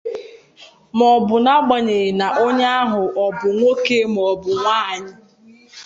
maọbụ n'agbanyeghị na onye ahụ ọbụ nwoke ka ọ bụ nwaanyị